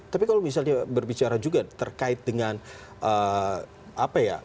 tapi kalau misalnya berbicara juga terkait dengan apa ya